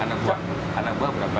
anak buah berapa